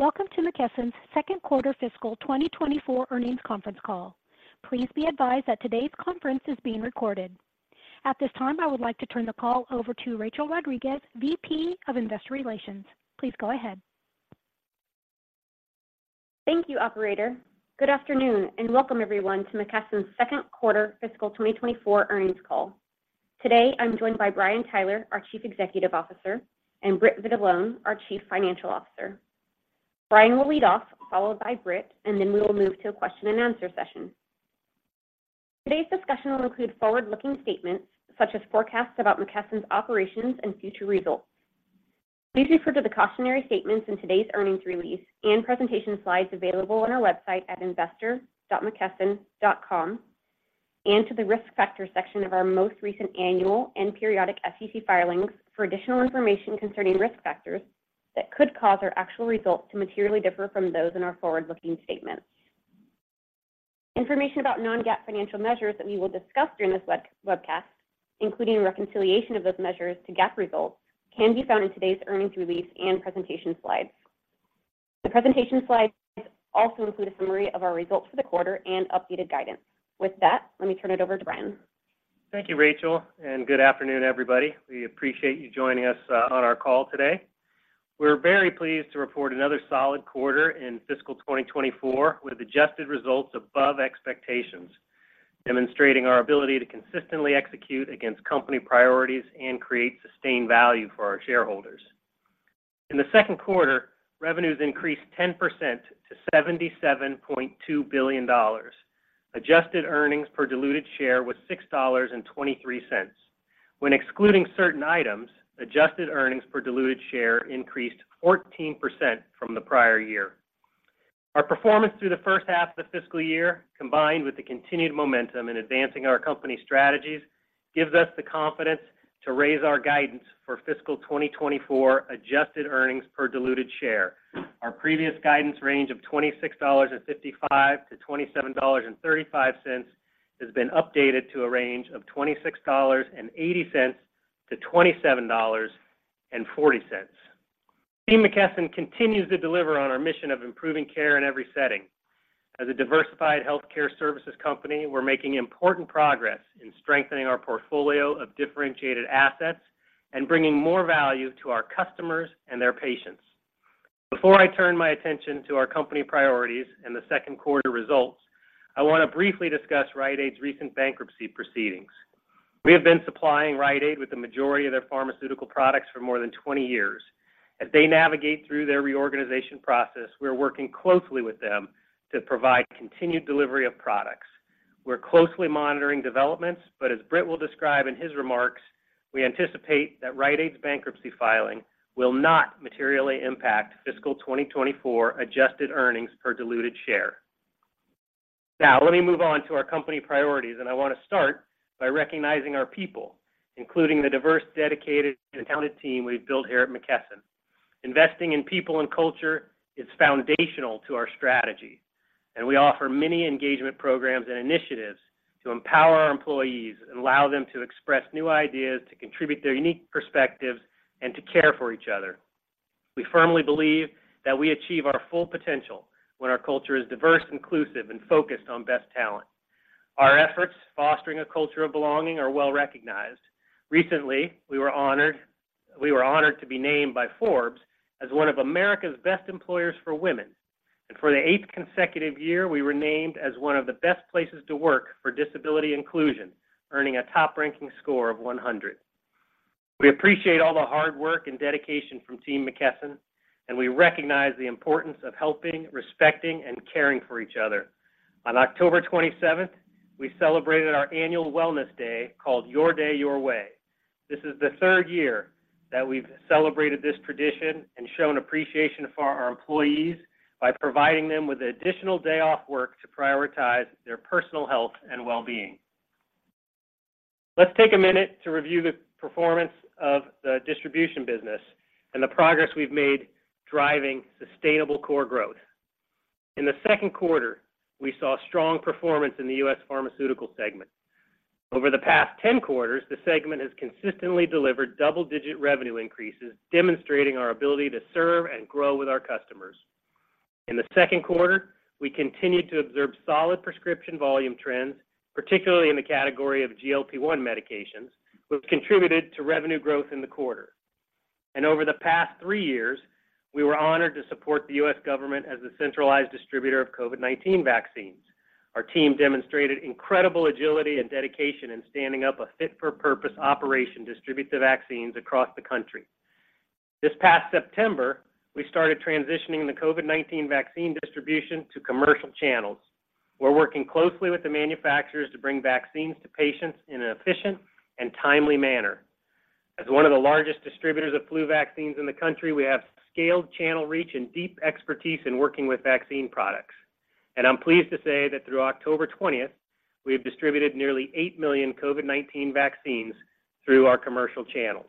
Welcome to McKesson's Second Quarter Fiscal 2024 Earnings Conference Call. Please be advised that today's conference is being recorded. At this time, I would like to turn the call over to Rachel Rodriguez, VP of Investor Relations. Please go ahead. Thank you, operator. Good afternoon, and welcome everyone to McKesson's second quarter fiscal 2024 earnings call. Today, I'm joined by Brian Tyler, our Chief Executive Officer, and Britt Vitalone, our Chief Financial Officer. Brian will lead off, followed by Britt, and then we will move to a question and answer session. Today's discussion will include forward-looking statements, such as forecasts about McKesson's operations and future results. Please refer to the cautionary statements in today's earnings release and presentation slides available on our website at investor.mckesson.com, and to the Risk Factors section of our most recent annual and periodic SEC filings for additional information concerning risk factors that could cause our actual results to materially differ from those in our forward-looking statements. Information about non-GAAP financial measures that we will discuss during this webcast, including a reconciliation of those measures to GAAP results, can be found in today's earnings release and presentation slides. The presentation slides also include a summary of our results for the quarter and updated guidance. With that, let me turn it over to Brian. Thank you, Rachel, and good afternoon, everybody. We appreciate you joining us on our call today. We're very pleased to report another solid quarter in fiscal 2024, with adjusted results above expectations, demonstrating our ability to consistently execute against company priorities and create sustained value for our shareholders. In the second quarter, revenues increased 10% to $77.2 billion. Adjusted earnings per diluted share was $6.23. When excluding certain items, adjusted earnings per diluted share increased 14% from the prior year. Our performance through the first half of the fiscal year, combined with the continued momentum in advancing our company strategies, gives us the confidence to raise our guidance for fiscal 2024 adjusted earnings per diluted share. Our previous guidance range of $26.55-$27.35 has been updated to a range of $26.80-$27.40. Team McKesson continues to deliver on our mission of improving care in every setting. As a diversified healthcare services company, we're making important progress in strengthening our portfolio of differentiated assets and bringing more value to our customers and their patients. Before I turn my attention to our company priorities and the second quarter results, I want to briefly discuss Rite Aid's recent bankruptcy proceedings. We have been supplying Rite Aid with the majority of their pharmaceutical products for more than 20 years. As they navigate through their reorganization process, we are working closely with them to provide continued delivery of products. We're closely monitoring developments, but as Britt will describe in his remarks, we anticipate that Rite Aid's bankruptcy filing will not materially impact fiscal 2024 adjusted earnings per diluted share. Now, let me move on to our company priorities, and I want to start by recognizing our people, including the diverse, dedicated, and talented team we've built here at McKesson. Investing in people and culture is foundational to our strategy, and we offer many engagement programs and initiatives to empower our employees and allow them to express new ideas, to contribute their unique perspectives, and to care for each other. We firmly believe that we achieve our full potential when our culture is diverse, inclusive, and focused on best talent. Our efforts, fostering a culture of belonging, are well recognized. Recently, we were honored, we were honored to be named by Forbes as one of America's best employers for women, and for the 8th consecutive year, we were named as one of the best places to work for disability inclusion, earning a top ranking score of 100. We appreciate all the hard work and dedication from Team McKesson, and we recognize the importance of helping, respecting, and caring for each other. On October 27th, we celebrated our annual wellness day, called Your Day, Your Way. This is the third year that we've celebrated this tradition and shown appreciation for our employees by providing them with an additional day off work to prioritize their personal health and well-being. Let's take a minute to review the performance of the distribution business and the progress we've made driving sustainable core growth. In the second quarter, we saw strong performance in the U.S. Pharmaceutical segment. Over the past 10 quarters, the segment has consistently delivered double-digit revenue increases, demonstrating our ability to serve and grow with our customers. In the second quarter, we continued to observe solid prescription volume trends, particularly in the category of GLP-1 medications, which contributed to revenue growth in the quarter. Over the past three years, we were honored to support the U.S. government as the centralized distributor of COVID-19 vaccines. Our team demonstrated incredible agility and dedication in standing up a fit-for-purpose operation to distribute the vaccines across the country. This past September, we started transitioning the COVID-19 vaccine distribution to commercial channels. We're working closely with the manufacturers to bring vaccines to patients in an efficient and timely manner. As one of the largest distributors of flu vaccines in the country, we have scaled channel reach and deep expertise in working with vaccine products. I'm pleased to say that through October 20, we have distributed nearly 8 million COVID-19 vaccines through our commercial channels.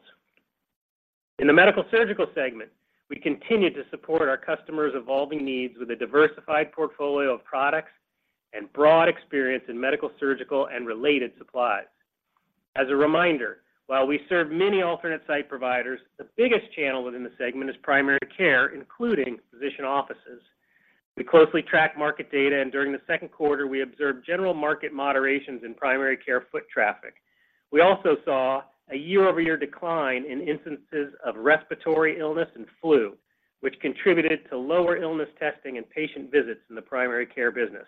In the Medical-Surgical segment, we continue to support our customers' evolving needs with a diversified portfolio of products and broad experience in medical, surgical, and related supplies. As a reminder, while we serve many alternate site providers, the biggest channel within the segment is primary care, including physician offices. We closely track market data, and during the second quarter, we observed general market moderations in primary care foot traffic. We also saw a year-over-year decline in instances of respiratory illness and flu, which contributed to lower illness testing and patient visits in the primary care business.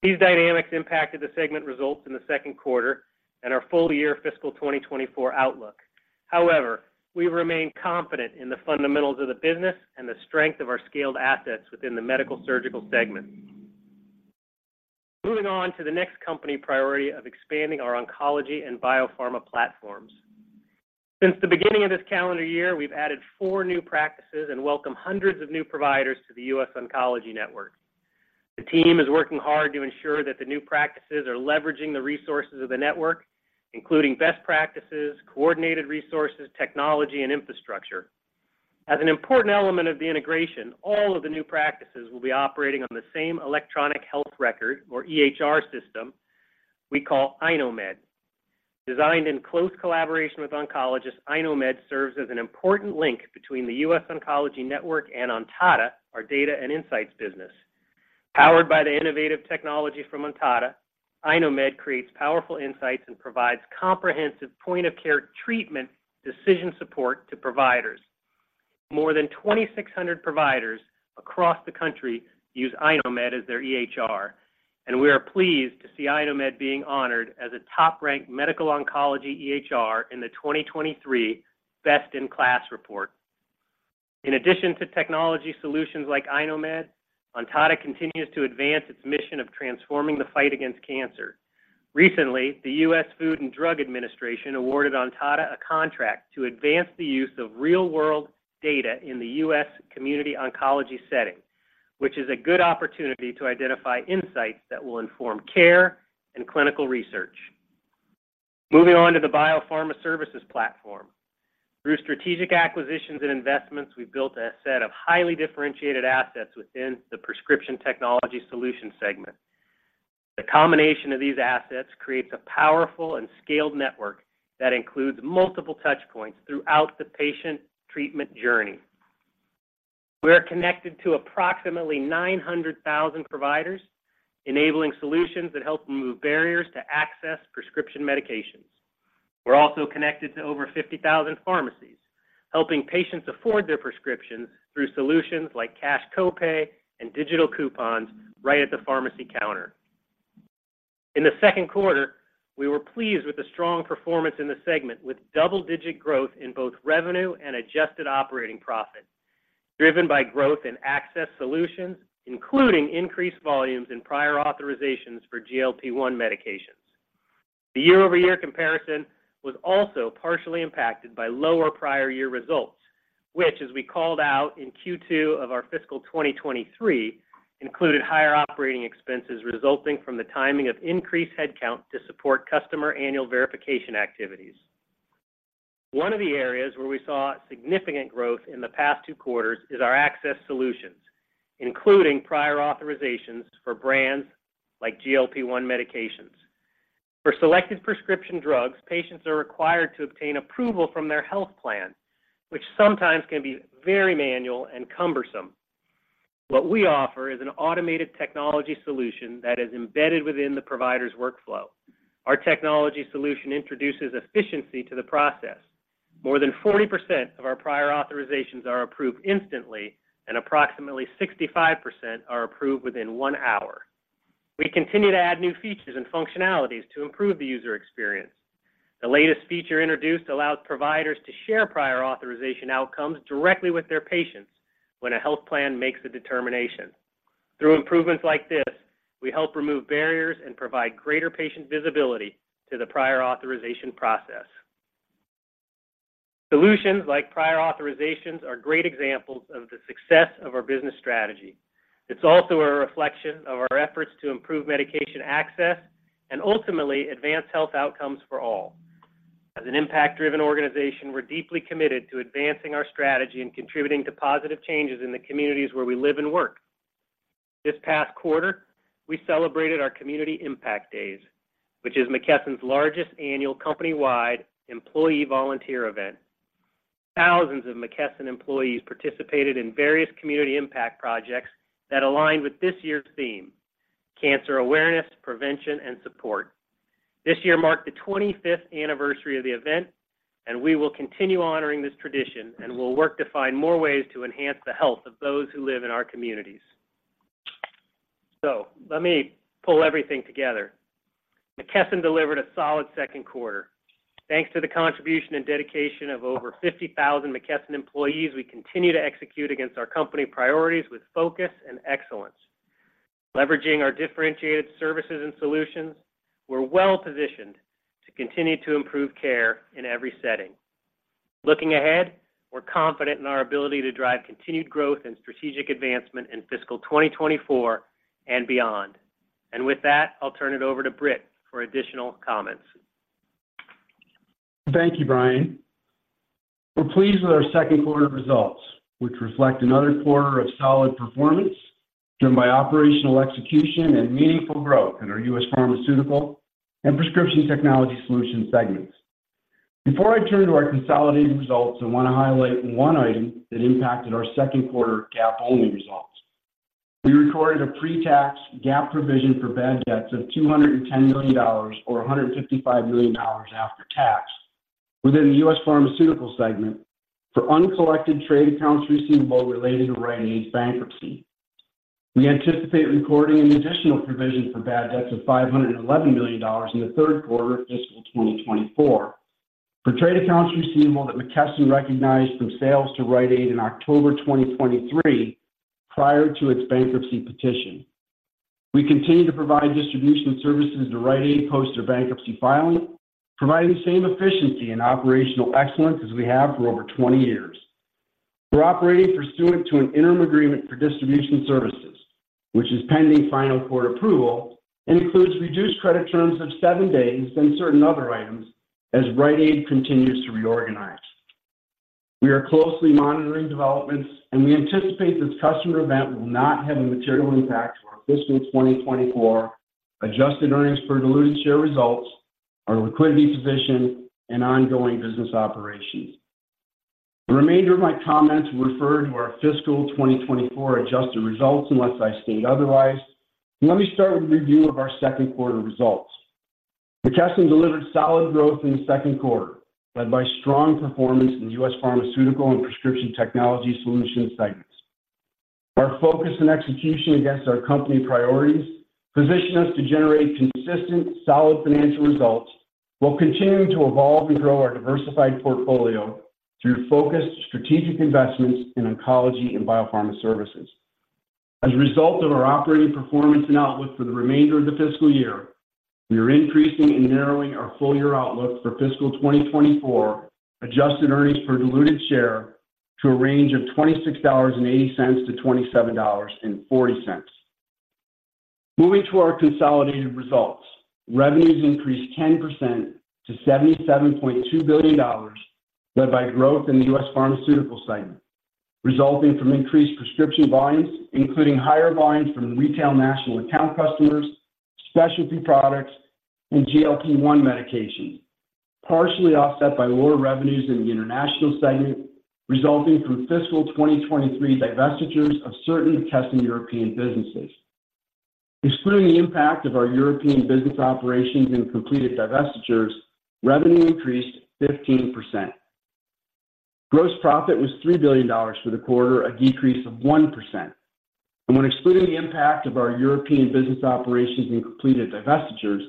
These dynamics impacted the segment results in the second quarter and our full-year fiscal 2024 outlook. However, we remain confident in the fundamentals of the business and the strength of our scaled assets within the Medical-Surgical segment. Moving on to the next company priority of expanding our oncology and biopharma platforms. Since the beginning of this calendar year, we've added 4 new practices and welcomed hundreds of new providers to the US Oncology Network. The team is working hard to ensure that the new practices are leveraging the resources of the network, including best practices, coordinated resources, technology, and infrastructure. As an important element of the integration, all of the new practices will be operating on the same electronic health record or EHR system we call iKnowMed. Designed in close collaboration with oncologists, iKnowMed serves as an important link between the US Oncology Network and Ontada, our data and insights business. Powered by the innovative technology from Ontada, iKnowMed creates powerful insights and provides comprehensive point-of-care treatment decision support to providers. More than 2,600 providers across the country use iKnowMed as their EHR, and we are pleased to see iKnowMed being honored as a top-ranked medical oncology EHR in the 2023 Best in KLAS report. In addition to technology solutions like iKnowMed, Ontada continues to advance its mission of transforming the fight against cancer. Recently, the U.S. Food and Drug Administration awarded Ontada a contract to advance the use of real-world data in the U.S. community oncology setting, which is a good opportunity to identify insights that will inform care and clinical research. Moving on to the biopharma services platform. Through strategic acquisitions and investments, we've built a set of highly differentiated assets within the Prescription Technology Solutions segment. The combination of these assets creates a powerful and scaled network that includes multiple touch points throughout the patient treatment journey. We are connected to approximately 900,000 providers, enabling solutions that help remove barriers to access prescription medications. We're also connected to over 50,000 pharmacies, helping patients afford their prescriptions through solutions like cash copay and digital coupons right at the pharmacy counter. In the second quarter, we were pleased with the strong performance in the segment, with double-digit growth in both revenue and adjusted operating profit, driven by growth in access solutions, including increased volumes in prior authorizations for GLP-1 medications. The year-over-year comparison was also partially impacted by lower prior year results, which, as we called out in Q2 of our fiscal 2023, included higher operating expenses resulting from the timing of increased headcount to support customer annual verification activities. One of the areas where we saw significant growth in the past two quarters is our access solutions, including prior authorizations for brands like GLP-1 medications. For selected prescription drugs, patients are required to obtain approval from their health plan, which sometimes can be very manual and cumbersome. What we offer is an automated technology solution that is embedded within the provider's workflow. Our technology solution introduces efficiency to the process. More than 40% of our prior authorizations are approved instantly, and approximately 65% are approved within one hour. We continue to add new features and functionalities to improve the user experience. The latest feature introduced allows providers to share prior authorization outcomes directly with their patients when a health plan makes a determination. Through improvements like this, we help remove barriers and provide greater patient visibility to the prior authorization process. Solutions like prior authorizations are great examples of the success of our business strategy. It's also a reflection of our efforts to improve medication access and ultimately advance health outcomes for all. As an impact-driven organization, we're deeply committed to advancing our strategy and contributing to positive changes in the communities where we live and work. This past quarter, we celebrated our Community Impact Days, which is McKesson's largest annual company-wide employee volunteer event. Thousands of McKesson employees participated in various community impact projects that aligned with this year's theme: cancer awareness, prevention, and support. This year marked the 25th anniversary of the event, and we will continue honoring this tradition, and we'll work to find more ways to enhance the health of those who live in our communities. So let me pull everything together. McKesson delivered a solid second quarter. Thanks to the contribution and dedication of over 50,000 McKesson employees, we continue to execute against our company priorities with focus and excellence. Leveraging our differentiated services and solutions, we're well positioned to continue to improve care in every setting. Looking ahead, we're confident in our ability to drive continued growth and strategic advancement in fiscal 2024 and beyond. And with that, I'll turn it over to Britt for additional comments. Thank you, Brian. We're pleased with our second quarter results, which reflect another quarter of solid performance, driven by operational execution and meaningful growth in our U.S. Pharmaceutical and Prescription Technology Solution segments. Before I turn to our consolidated results, I want to highlight one item that impacted our second quarter GAAP-only results. We recorded a pre-tax GAAP provision for bad debts of $210 million, or $155 million after tax, within the U.S. Pharmaceutical segment for uncollected trade accounts receivable related to Rite Aid's bankruptcy. We anticipate recording an additional provision for bad debts of $511 million in the third quarter of fiscal 2024. For trade accounts receivable that McKesson recognized from sales to Rite Aid in October 2023, prior to its bankruptcy petition. We continue to provide distribution services to Rite Aid post their bankruptcy filing, providing the same efficiency and operational excellence as we have for over 20 years. We're operating pursuant to an interim agreement for distribution services, which is pending final court approval and includes reduced credit terms of seven days and certain other items as Rite Aid continues to reorganize. We are closely monitoring developments, and we anticipate this customer event will not have a material impact on our fiscal 2024 adjusted earnings per diluted share results, our liquidity position, and ongoing business operations. The remainder of my comments will refer to our fiscal 2024 adjusted results, unless I state otherwise. Let me start with a review of our second quarter results. McKesson delivered solid growth in the second quarter, led by strong performance in U.S. Pharmaceutical and Prescription Technology Solutions segments. Our focus and execution against our company priorities position us to generate consistent, solid financial results, while continuing to evolve and grow our diversified portfolio through focused strategic investments in oncology and biopharma services. As a result of our operating performance and outlook for the remainder of the fiscal year, we are increasing and narrowing our full-year outlook for fiscal 2024, adjusted earnings per diluted share to a range of $26.80-$27.40. Moving to our consolidated results, revenues increased 10% to $77.2 billion, led by growth in the US Pharmaceutical segment, resulting from increased prescription volumes, including higher volumes from retail national account customers, specialty products, and GLP-1 medications, partially offset by lower revenues in the international segment, resulting from fiscal 2023 divestitures of certain McKesson European businesses. Excluding the impact of our European business operations and completed divestitures, revenue increased 15%. Gross profit was $3 billion for the quarter, a decrease of 1%. When excluding the impact of our European business operations and completed divestitures,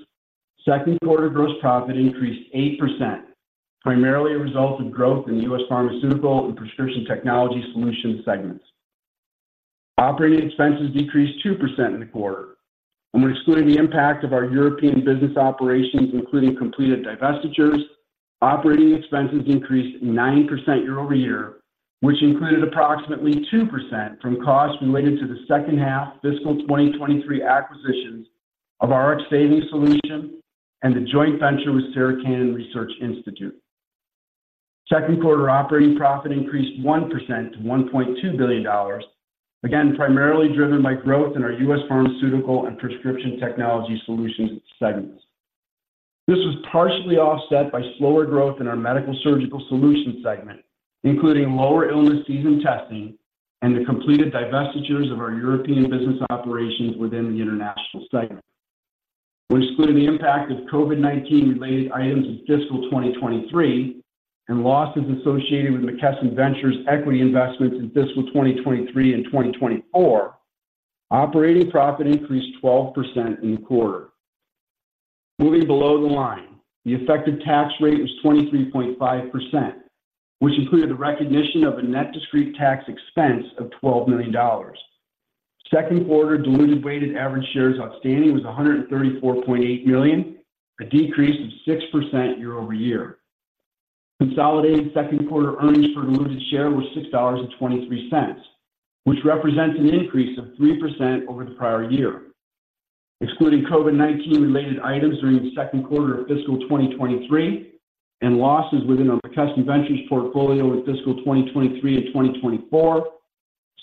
second quarter gross profit increased 8%, primarily a result of growth in the U.S. Pharmaceutical and Prescription Technology Solutions segments. Operating expenses decreased 2% in the quarter, and when excluding the impact of our European business operations, including completed divestitures, operating expenses increased 9% year-over-year, which included approximately 2% from costs related to the second half fiscal 2023 acquisitions of Rx Savings Solutions and the joint venture with Sarah Cannon Research Institute. Second quarter operating profit increased 1% to $1.2 billion, again, primarily driven by growth in our U.S. Pharmaceutical and Prescription Technology Solutions segments. This was partially offset by slower growth in our Medical-Surgical Solutions segment, including lower illness season testing and the completed divestitures of our European business operations within the international segment. When excluding the impact of COVID-19 related items in fiscal 2023 and losses associated with McKesson Ventures equity investments in fiscal 2023 and 2024, operating profit increased 12% in the quarter. Moving below the line, the effective tax rate was 23.5%, which included the recognition of a net discrete tax expense of $12 million. Second quarter diluted weighted average shares outstanding was 134.8 million, a decrease of 6% year-over-year. Consolidated second quarter earnings per diluted share was $6.23, which represents an increase of 3% over the prior year. Excluding COVID-19 related items during the second quarter of fiscal 2023 and losses within our McKesson Ventures portfolio with fiscal 2023 and 2024,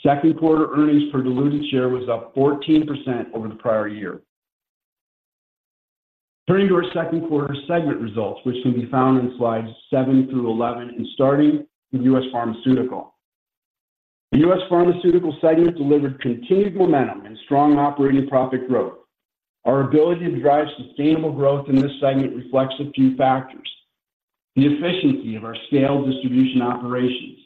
second quarter earnings per diluted share was up 14% over the prior year. Turning to our second quarter segment results, which can be found in slides seven through 11 and starting with U.S. Pharmaceutical. The U.S. Pharmaceutical segment delivered continued momentum and strong operating profit growth. Our ability to drive sustainable growth in this segment reflects a few factors: the efficiency of our scale distribution operations,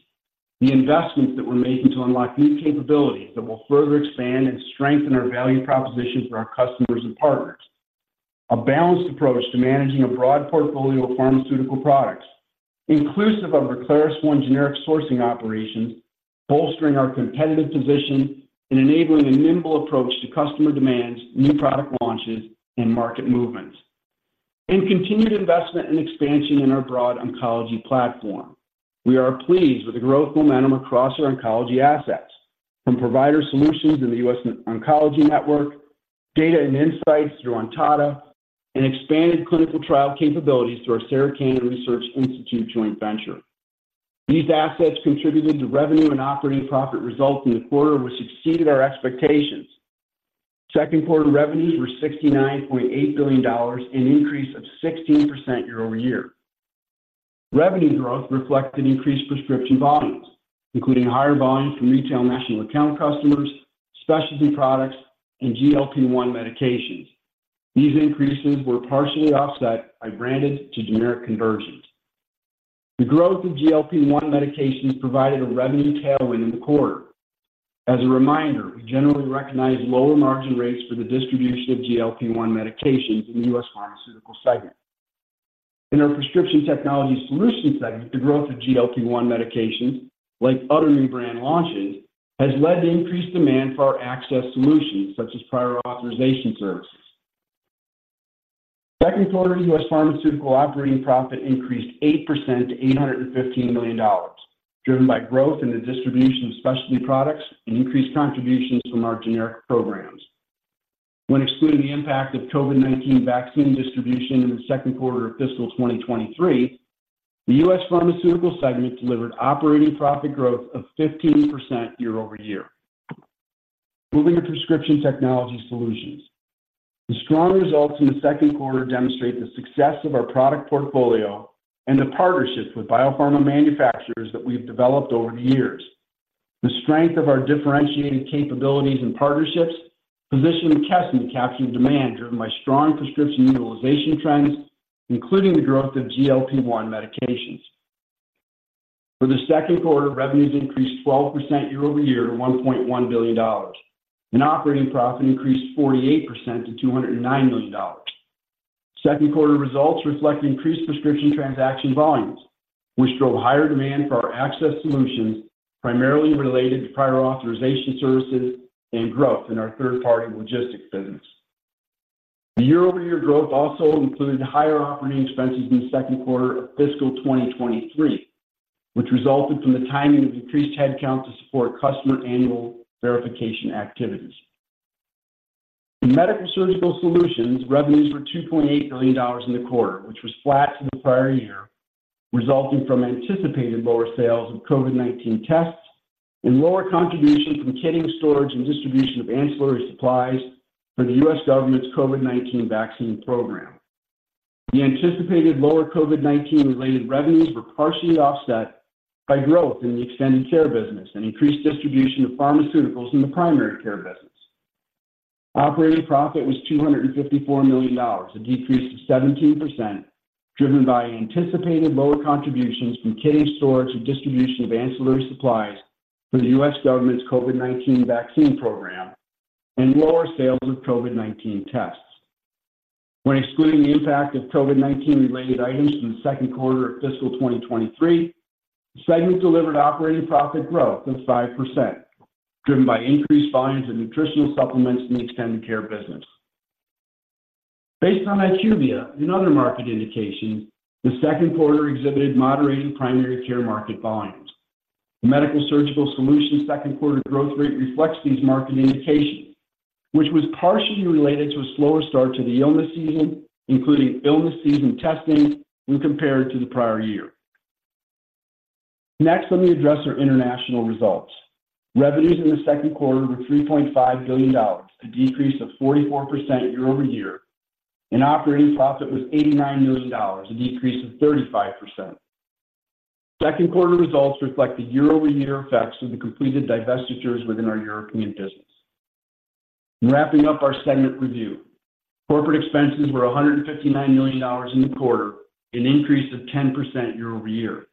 the investments that we're making to unlock new capabilities that will further expand and strengthen our value proposition for our customers and partners, a balanced approach to managing a broad portfolio of pharmaceutical products, inclusive of our ClarisOne generic sourcing operations, bolstering our competitive position and enabling a nimble approach to customer demands, new product launches, and market movements, and continued investment and expansion in our broad oncology platform. We are pleased with the growth momentum across our oncology assets, from provider solutions in the US Oncology Network, data and insights through Ontada, and expanded clinical trial capabilities through our Sarah Cannon Research Institute joint venture. These assets contributed to revenue and operating profit results in the quarter, which exceeded our expectations. Second quarter revenues were $69.8 billion, an increase of 16% year-over-year. Revenue growth reflected increased prescription volumes, including higher volumes from retail national account customers, specialty products, and GLP-1 medications. These increases were partially offset by branded to generic conversions. The growth of GLP-1 medications provided a revenue tailwind in the quarter. As a reminder, we generally recognize lower margin rates for the distribution of GLP-1 medications in the U.S. pharmaceutical segment. In our Prescription Technology Solutions segment, the growth of GLP-1 medications, like other new brand launches, has led to increased demand for our access solutions, such as prior authorization services. Second quarter U.S. pharmaceutical operating profit increased 8% to $815 million, driven by growth in the distribution of specialty products and increased contributions from our generic programs. When excluding the impact of COVID-19 vaccine distribution in the second quarter of fiscal 2023, the U.S. Pharmaceutical segment delivered operating profit growth of 15% year-over-year. Moving to Prescription Technology Solutions. The strong results in the second quarter demonstrate the success of our product portfolio and the partnerships with biopharma manufacturers that we've developed over the years. The strength of our differentiated capabilities and partnerships position McKesson to capture demand, driven by strong prescription utilization trends, including the growth of GLP-1 medications. For the second quarter, revenues increased 12% year-over-year to $1.1 billion, and operating profit increased 48% to $209 million. Second quarter results reflect increased prescription transaction volumes, which drove higher demand for our access solutions, primarily related to prior authorization services and growth in our third-party logistics business. The year-over-year growth also included higher operating expenses in the second quarter of fiscal 2023, which resulted from the timing of increased headcount to support customer annual verification activities. In Medical-Surgical Solutions, revenues were $2.8 billion in the quarter, which was flat to the prior year, resulting from anticipated lower sales of COVID-19 tests and lower contributions from kitting, storage, and distribution of ancillary supplies for the U.S. government's COVID-19 vaccine program. The anticipated lower COVID-19-related revenues were partially offset by growth in the extended care business and increased distribution of pharmaceuticals in the primary care business. Operating profit was $254 million, a decrease of 17%, driven by anticipated lower contributions from kitting, storage, and distribution of ancillary supplies for the U.S. government's COVID-19 vaccine program and lower sales of COVID-19 tests. When excluding the impact of COVID-19-related items from the second quarter of fiscal 2023, the segment delivered operating profit growth of 5%, driven by increased volumes of nutritional supplements in the extended care business. Based on IQVIA and other market indications, the second quarter exhibited moderating primary care market volumes. The Medical-Surgical Solutions second quarter growth rate reflects these market indications, which was partially related to a slower start to the illness season, including illness season testing, when compared to the prior year. Next, let me address our international results. Revenues in the second quarter were $3.5 billion, a decrease of 44% year-over-year, and operating profit was $89 million, a decrease of 35%. Second quarter results reflect the year-over-year effects of the completed divestitures within our European business. Wrapping up our segment review, corporate expenses were $159 million in the quarter, an increase of 10% year-over-year.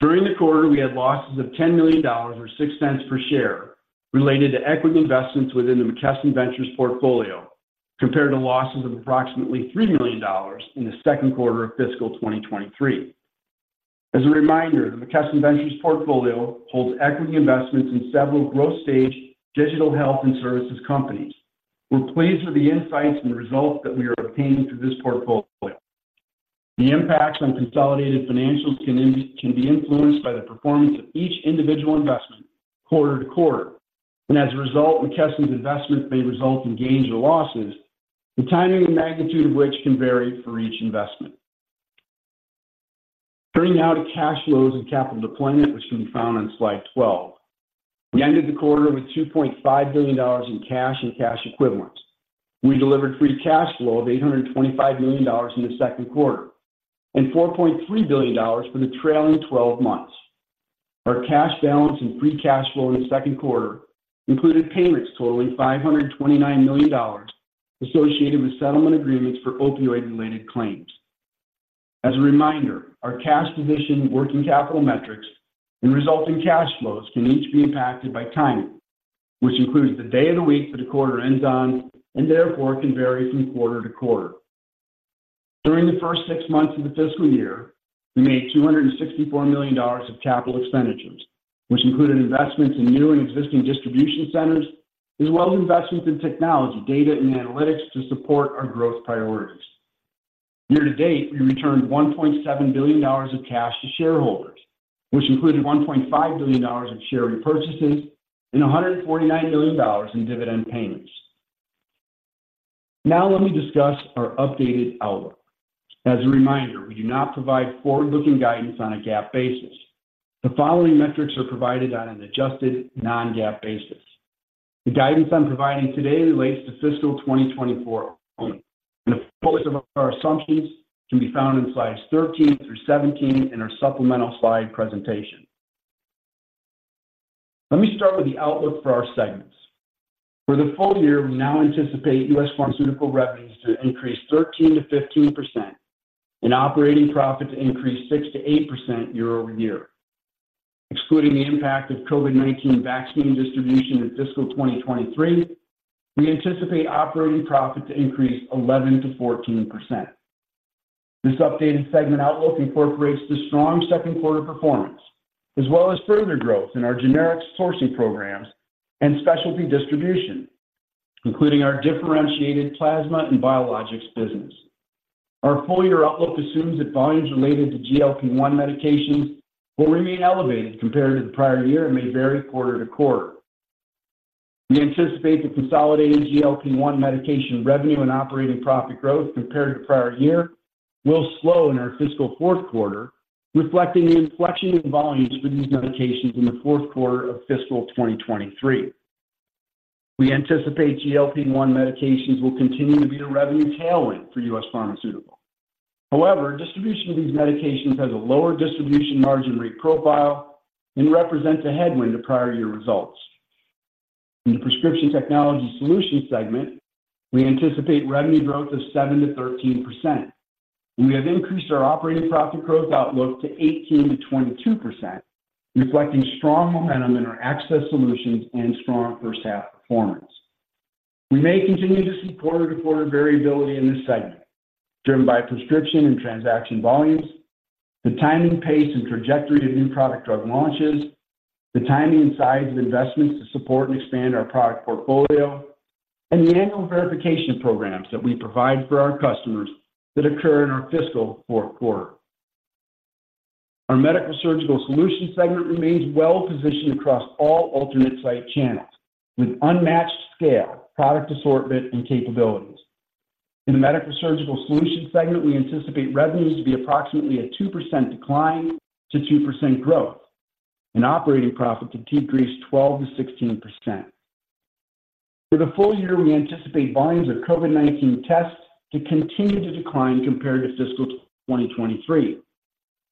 During the quarter, we had losses of $10 million or $0.06 per share related to equity investments within the McKesson Ventures portfolio, compared to losses of approximately $3 million in the second quarter of fiscal 2023. As a reminder, the McKesson Ventures portfolio holds equity investments in several growth-stage digital health and services companies. We're pleased with the insights and results that we are obtaining through this portfolio. The impacts on consolidated financials can be influenced by the performance of each individual investment quarter-to-quarter, and as a result, McKesson's investment may result in gains or losses, the timing and magnitude of which can vary for each investment. Turning now to cash flows and capital deployment, which can be found on slide 12. We ended the quarter with $2.5 billion in cash and cash equivalents. We delivered free cash flow of $825 million in the second quarter and $4.3 billion for the trailing 12 months. Our cash balance and free cash flow in the second quarter included payments totaling $529 million associated with settlement agreements for opioid-related claims. As a reminder, our cash position, working capital metrics, and resulting cash flows can each be impacted by timing, which includes the day of the week that a quarter ends on, and therefore can vary from quarter-to-quarter. During the first six months of the fiscal year, we made $264 million of capital expenditures, which included investments in new and existing distribution centers, as well as investments in technology, data, and analytics to support our growth priorities. Year to date, we returned $1.7 billion of cash to shareholders, which included $1.5 billion in share repurchases and $149 million in dividend payments. Now let me discuss our updated outlook. As a reminder, we do not provide forward-looking guidance on a GAAP basis. The following metrics are provided on an adjusted non-GAAP basis. The guidance I'm providing today relates to fiscal 2024, and a full list of our assumptions can be found in slides 13 through 17 in our supplemental slide presentation. Let me start with the outlook for our segments. For the full year, we now anticipate U.S. pharmaceutical revenues to increase 13%-15% and operating profit to increase 6%-8% year-over-year. Excluding the impact of COVID-19 vaccine distribution in fiscal 2023, we anticipate operating profit to increase 11%-14%. This updated segment outlook incorporates the strong second quarter performance, as well as further growth in our generic sourcing programs and specialty distribution, including our differentiated plasma and biologics business. Our full year outlook assumes that volumes related to GLP-1 medications will remain elevated compared to the prior year and may vary quarter-to-quarter. We anticipate the consolidated GLP-1 medication revenue and operating profit growth compared to the prior year will slow in our fiscal fourth quarter, reflecting the inflection in volumes for these medications in the fourth quarter of fiscal 2023. We anticipate GLP-1 medications will continue to be a revenue tailwind for U.S. Pharmaceutical. However, distribution of these medications has a lower distribution margin rate profile and represents a headwind to prior year results. In the Prescription Technology Solutions segment, we anticipate revenue growth of 7%-13%. We have increased our operating profit growth outlook to 18%-22%, reflecting strong momentum in our access solutions and strong first half performance. We may continue to see quarter-to-quarter variability in this segment, driven by prescription and transaction volumes, the timing, pace, and trajectory of new product drug launches, the timing and size of investments to support and expand our product portfolio, and the annual verification programs that we provide for our customers that occur in our fiscal fourth quarter. Our Medical-Surgical Solutions segment remains well-positioned across all alternate site channels, with unmatched scale, product assortment, and capabilities. In the Medical-Surgical Solutions segment, we anticipate revenues to be approximately a 2% decline to 2% growth, and operating profit to decrease 12%-16%. For the full year, we anticipate volumes of COVID-19 tests to continue to decline compared to fiscal 2023,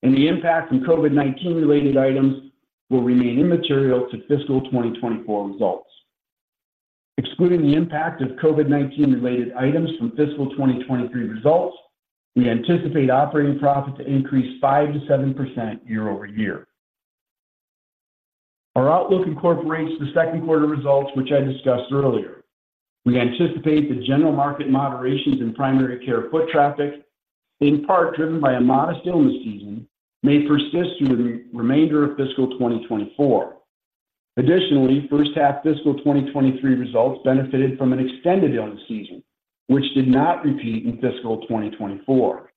and the impact from COVID-19 related items will remain immaterial to fiscal 2024 results. Excluding the impact of COVID-19 related items from fiscal 2023 results, we anticipate operating profit to increase 5%-7% year-over-year. Our outlook incorporates the second quarter results, which I discussed earlier. We anticipate the general market moderations in primary care foot traffic, in part driven by a modest illness season, may persist through the remainder of fiscal 2024. Additionally, first half fiscal 2023 results benefited from an extended illness season, which did not repeat in fiscal 2024.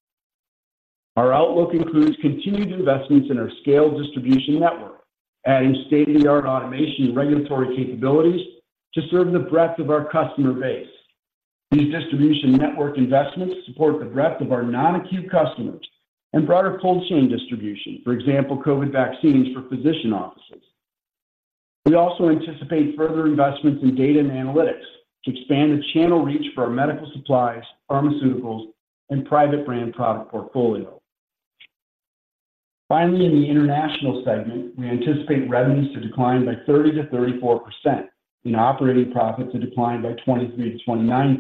Our outlook includes continued investments in our scale distribution network, adding state-of-the-art automation and regulatory capabilities to serve the breadth of our customer base. These distribution network investments support the breadth of our non-acute customers and broader cold chain distribution, for example, COVID vaccines for physician offices. We also anticipate further investments in data and analytics to expand the channel reach for our medical supplies, pharmaceuticals, and private brand product portfolio. Finally, in the international segment, we anticipate revenues to decline by 30%-34% and operating profits to decline by 23%-29%.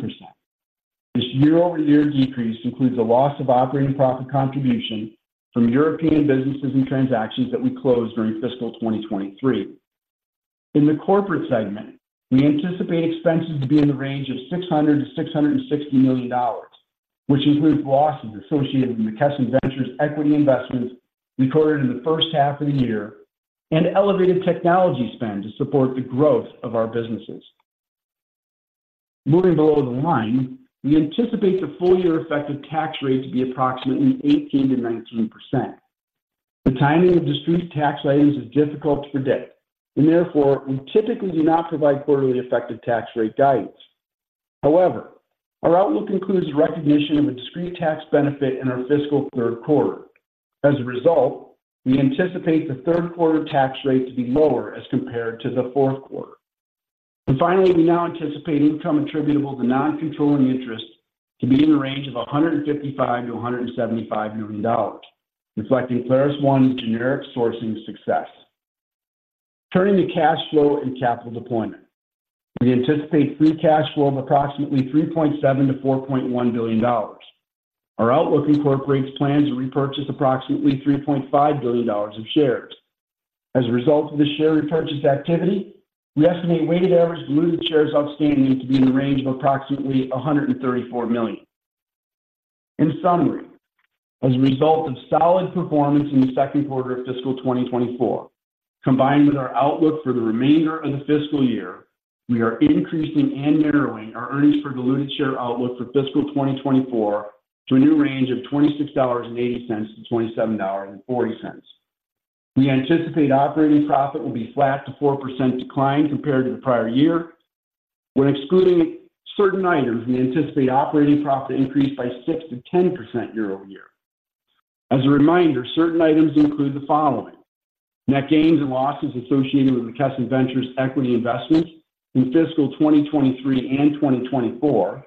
This year-over-year decrease includes a loss of operating profit contribution from European businesses and transactions that we closed during fiscal 2023. In the corporate segment, we anticipate expenses to be in the range of $600 million-$660 million, which includes losses associated with McKesson Ventures equity investments recorded in the first half of the year and elevated technology spend to support the growth of our businesses. Moving below the line, we anticipate the full year effective tax rate to be approximately 18%-19%. The timing of discrete tax items is difficult to predict, and therefore, we typically do not provide quarterly effective tax rate guidance. However, our outlook includes recognition of a discrete tax benefit in our fiscal third quarter. As a result, we anticipate the third quarter tax rate to be lower as compared to the fourth quarter. Finally, we now anticipate income attributable to non-controlling interests to be in the range of $155 million-$175 million, reflecting ClarisOne's generic sourcing success. Turning to cash flow and capital deployment. We anticipate free cash flow of approximately $3.7 billion-$4.1 billion. Our outlook incorporates plans to repurchase approximately $3.5 billion of shares. As a result of the share repurchase activity, we estimate weighted average diluted shares outstanding to be in the range of approximately 134 million. In summary. As a result of solid performance in the second quarter of fiscal 2024, combined with our outlook for the remainder of the fiscal year, we are increasing and narrowing our earnings per diluted share outlook for fiscal 2024 to a new range of $26.80-$27.40. We anticipate operating profit will be flat to 4% decline compared to the prior year. When excluding certain items, we anticipate operating profit increase by 6%-10% year-over-year. As a reminder, certain items include the following: net gains and losses associated with the McKesson Ventures equity investment in fiscal 2023 and 2024,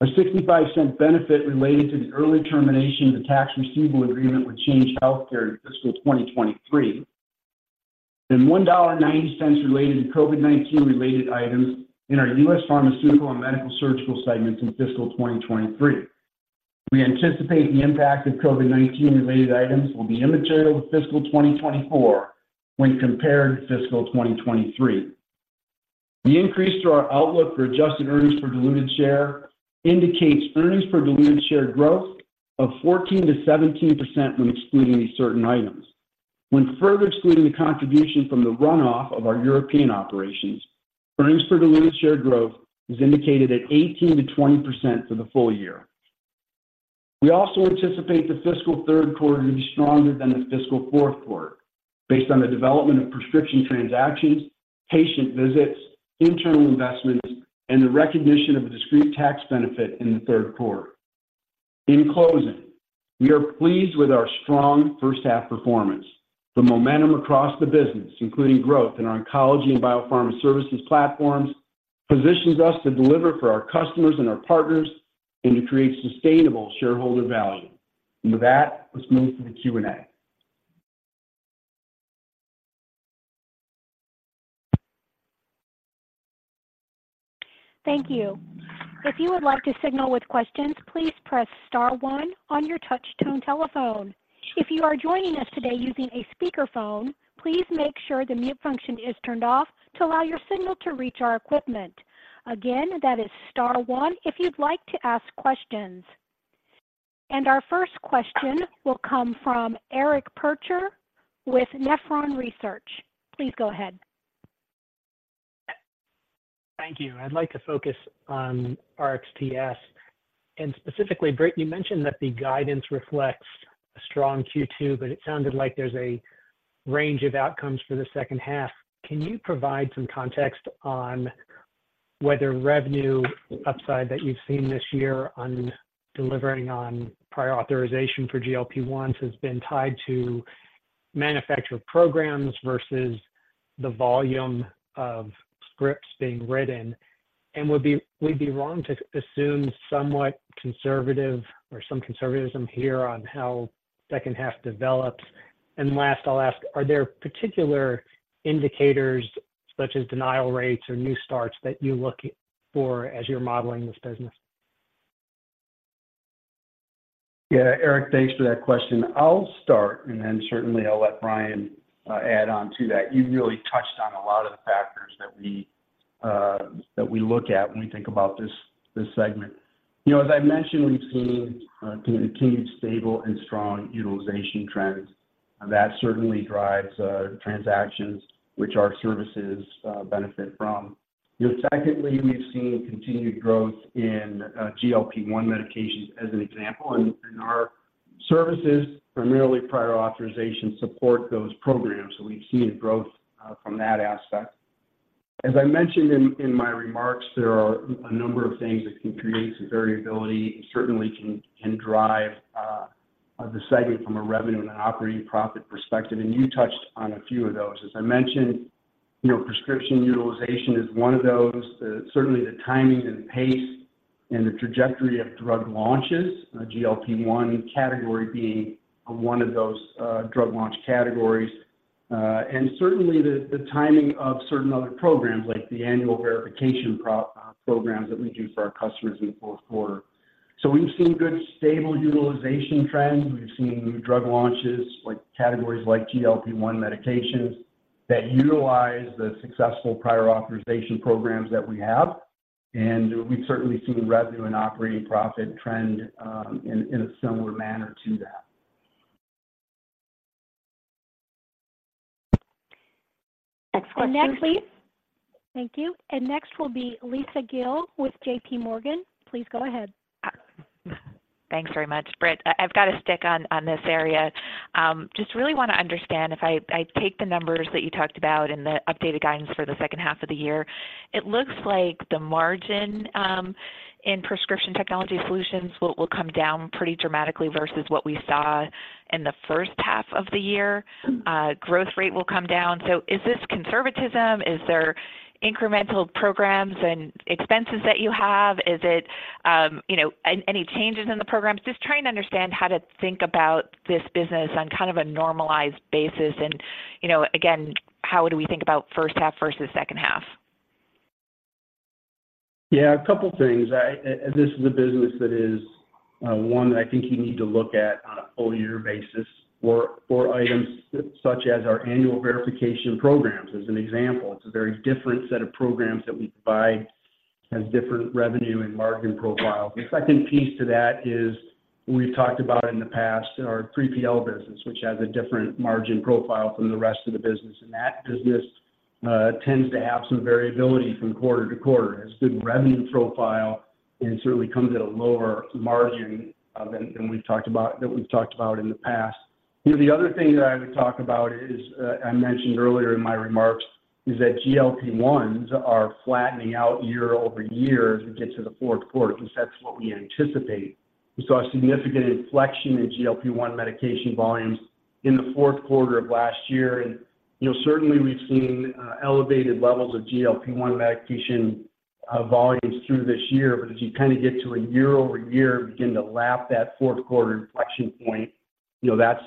a $0.65 benefit related to the early termination of the tax receivable agreement with Change Healthcare in fiscal 2023, and $1.90 related to COVID-19 related items in our U.S. Pharmaceutical and Medical Surgical segments in fiscal 2023. We anticipate the impact of COVID-19 related items will be immaterial to fiscal 2024 when compared to fiscal 2023. The increase to our outlook for adjusted earnings per diluted share indicates earnings per diluted share growth of 14%-17% when excluding these certain items. When further excluding the contribution from the runoff of our European operations, earnings per diluted share growth is indicated at 18%-20% for the full year. We also anticipate the fiscal third quarter to be stronger than the fiscal fourth quarter, based on the development of prescription transactions, patient visits, internal investments, and the recognition of a discrete tax benefit in the third quarter. In closing, we are pleased with our strong first half performance. The momentum across the business, including growth in our oncology and biopharma services platforms, positions us to deliver for our customers and our partners and to create sustainable shareholder value. With that, let's move to the Q&A. Thank you. If you would like to signal with questions, please press star one on your touchtone telephone. If you are joining us today using a speakerphone, please make sure the mute function is turned off to allow your signal to reach our equipment. Again, that is star one if you'd like to ask questions. Our first question will come from Eric Percher with Nephron Research. Please go ahead. Thank you. I'd like to focus on RxTS, and specifically, Britt, you mentioned that the guidance reflects a strong Q2, but it sounded like there's a range of outcomes for the second half. Can you provide some context on whether revenue upside that you've seen this year on delivering on prior authorization for GLP-1s has been tied to manufacturer programs versus the volume of scripts being written? And we'd be wrong to assume somewhat conservative or some conservatism here on how second half develops. And last, I'll ask, are there particular indicators, such as denial rates or new starts, that you look for as you're modeling this business? Yeah, Eric, thanks for that question. I'll start, and then certainly I'll let Brian add on to that. You really touched on a lot of the factors that we that we look at when we think about this, this segment. You know, as I mentioned, we've seen continued stable and strong utilization trends, and that certainly drives transactions which our services benefit from. You know, secondly, we've seen continued growth in GLP-1 medications as an example, and our services, primarily prior authorization, support those programs. So we've seen growth from that aspect. As I mentioned in my remarks, there are a number of things that can create some variability and certainly can drive the segment from a revenue and operating profit perspective, and you touched on a few of those. As I mentioned, you know, prescription utilization is one of those. Certainly the timing and pace and the trajectory of drug launches, GLP-1 category being one of those, drug launch categories. And certainly the timing of certain other programs, like the annual verification programs that we do for our customers in the fourth quarter. So we've seen good, stable utilization trends. We've seen new drug launches, like categories like GLP-1 medications, that utilize the successful prior authorization programs that we have. And we've certainly seen revenue and operating profit trend in a similar manner to that. Next question, please. Thank you. Next will be Lisa Gill with JPMorgan. Please go ahead. Thanks very much. Britt, I've got to stick on this area. Just really want to understand, if I take the numbers that you talked about and the updated guidance for the second half of the year, it looks like the margin in Prescription Technology Solutions will come down pretty dramatically versus what we saw in the first half of the year. Growth rate will come down. So is this conservatism? Is there incremental programs and expenses that you have? Is it, you know, any changes in the programs? Just trying to understand how to think about this business on kind of a normalized basis, and, you know, again, how do we think about first half versus second half? Yeah, a couple things. I... This is a business that is one that I think you need to look at on a full year basis for items such as our annual verification programs, as an example. It's a very different set of programs that we provide... has different revenue and margin profile. The second piece to that is, we've talked about it in the past, our 3PL business, which has a different margin profile from the rest of the business. And that business tends to have some variability from quarter-to-quarter. It has good revenue profile and certainly comes at a lower margin than we've talked about in the past. You know, the other thing that I would talk about is, I mentioned earlier in my remarks, is that GLP-1s are flattening out year-over-year as we get to the fourth quarter, because that's what we anticipate. We saw a significant inflection in GLP-1 medication volumes in the fourth quarter of last year. And, you know, certainly we've seen elevated levels of GLP-1 medication volumes through this year. But as you kind of get to a year-over-year, begin to lap that fourth quarter inflection point, you know, that's,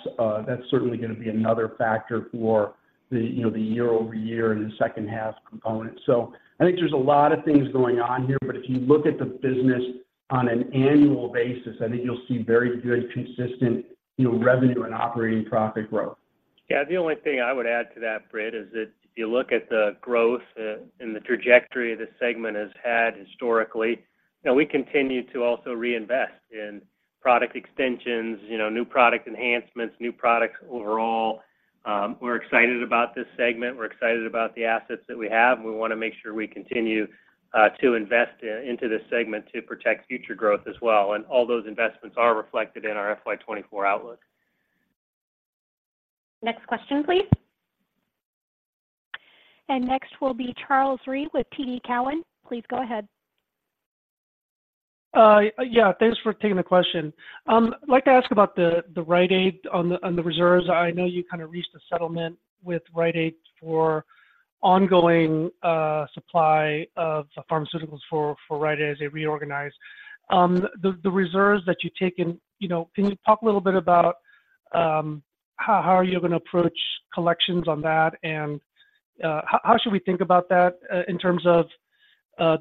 that's certainly going to be another factor for the, you know, the year-over-year and the second half component. So I think there's a lot of things going on here. But if you look at the business on an annual basis, I think you'll see very good, consistent, you know, revenue and operating profit growth. Yeah, the only thing I would add to that, Brad, is that if you look at the growth and the trajectory this segment has had historically, you know, we continue to also reinvest in product extensions, you know, new product enhancements, new products overall. We're excited about this segment. We're excited about the assets that we have. We want to make sure we continue to invest into this segment to protect future growth as well, and all those investments are reflected in our FY 24 outlook. Next question, please. Next will be Charles Rhyee with TD Cowen. Please go ahead. Yeah, thanks for taking the question. I'd like to ask about the Rite Aid on the reserves. I know you kind of reached a settlement with Rite Aid for ongoing supply of pharmaceuticals for Rite Aid as they reorganize. The reserves that you've taken, you know, can you talk a little bit about how are you going to approach collections on that? And how should we think about that in terms of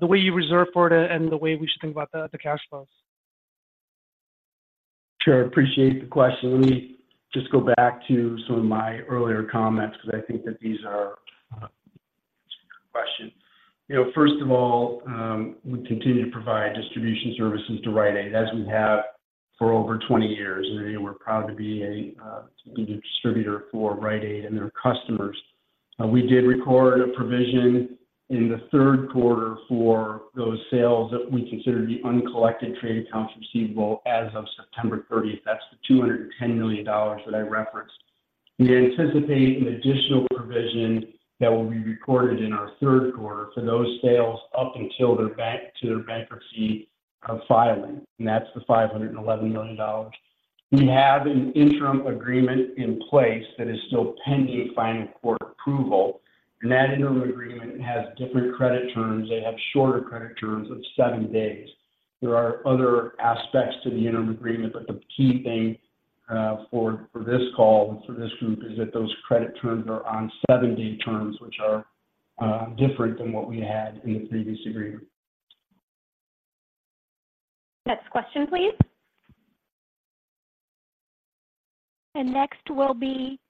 the way you reserve for it and the way we should think about the cash flows? Sure. Appreciate the question. Let me just go back to some of my earlier comments, because I think that these are good questions. You know, first of all, we continue to provide distribution services to Rite Aid, as we have for over 20 years, and we're proud to be the distributor for Rite Aid and their customers. We did record a provision in the third quarter for those sales that we consider the uncollected trade accounts receivable as of September 30th. That's the $210 million that I referenced. We anticipate an additional provision that will be recorded in our third quarter for those sales up until their bankruptcy filing, and that's the $511 million. We have an interim agreement in place that is still pending final court approval, and that interim agreement has different credit terms. They have shorter credit terms of seven days. There are other aspects to the interim agreement, but the key thing for this call and for this group is that those credit terms are on seven-day terms, which are different than what we had in the previous agreement. Next question, please. Next will be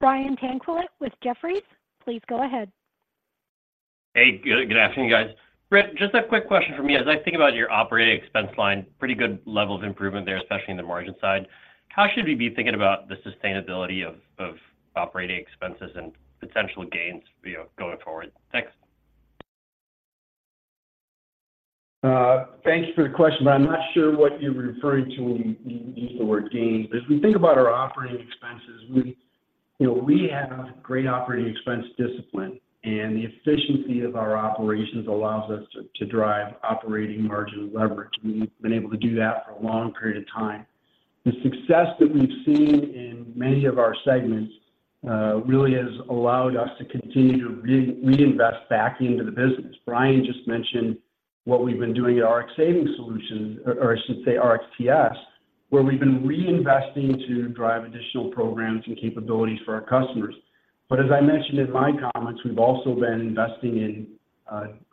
Brian Tanquilut with Jefferies. Please go ahead. Hey, good, good afternoon, guys. Britt, just a quick question from me. As I think about your operating expense line, pretty good level of improvement there, especially in the margin side. How should we be thinking about the sustainability of, of operating expenses and potential gains, you know, going forward? Thanks. Thank you for the question, but I'm not sure what you're referring to when you use the word gains. As we think about our operating expenses, we, you know, we have great operating expense discipline, and the efficiency of our operations allows us to to drive operating margin leverage. We've been able to do that for a long period of time. The success that we've seen in many of our segments really has allowed us to continue to reinvest back into the business. Brian just mentioned what we've been doing at Rx Savings Solutions, or I should say RxTS, where we've been reinvesting to drive additional programs and capabilities for our customers. But as I mentioned in my comments, we've also been investing in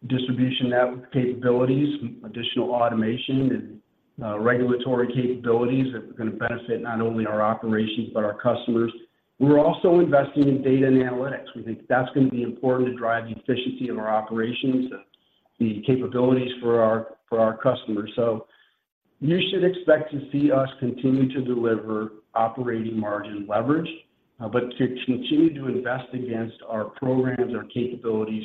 distribution network capabilities, additional automation and regulatory capabilities that are going to benefit not only our operations, but our customers. We're also investing in data and analytics. We think that's going to be important to drive the efficiency of our operations and the capabilities for our customers. So you should expect to see us continue to deliver operating margin leverage, but to continue to invest against our programs or capabilities,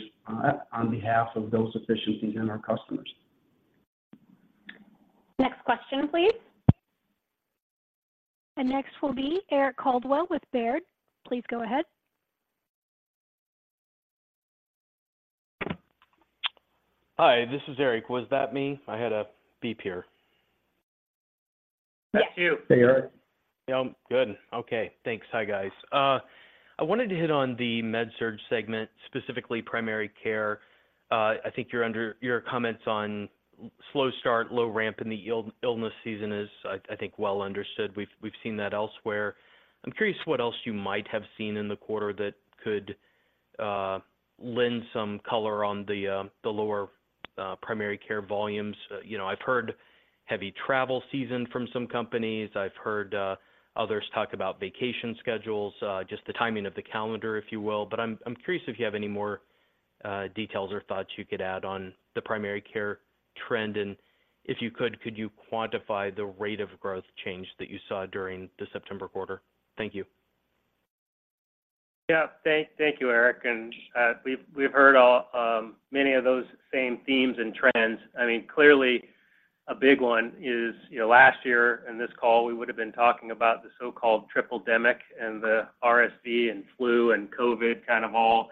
on behalf of those efficiencies and our customers. Next question, please. Next will be Eric Coldwell with Baird. Please go ahead. Hi, this is Eric. Was that me? I had a beep here. That's you. Hey, Eric. Yeah, I'm good. Okay, thanks. Hi, guys. I wanted to hit on the Med-Surg segment, specifically primary care. I think your comments on slow start, low ramp in the illness season is well understood. We've seen that elsewhere. I'm curious what else you might have seen in the quarter that could lend some color on the lower primary care volumes. You know, I've heard heavy travel season from some companies. I've heard others talk about vacation schedules, just the timing of the calendar, if you will. But I'm curious if you have any more-... details or thoughts you could add on the primary care trend, and if you could, could you quantify the rate of growth change that you saw during the September quarter? Thank you. Yeah. Thank you, Eric. And we've heard all many of those same themes and trends. I mean, clearly, a big one is, you know, last year in this call, we would've been talking about the so-called triple-demic and the RSV and flu and COVID kind of all